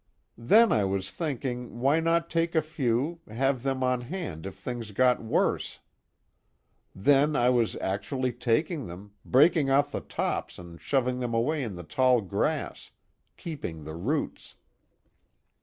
Then I was thinking, why not take a few, have them on hand if things got worse? Then I was actually taking them, breaking off the tops and shoving them away in the tall grass, keeping the roots."